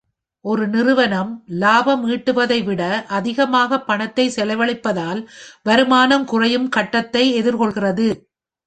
ஒரு நிறுவனம் லாபம் ஈட்டுவதை விட அதிகமாக பணத்தை செலவழிப்பதால் வருமானம் குறையும் கட்டத்தை எதிர்கொள்கிறது.